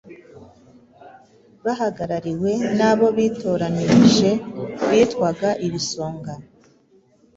bahagarariwe n'abo bitoranirije bitwaga Ibisonga,